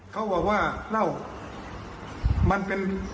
เขาบอกว่าเหล้ามันเป็น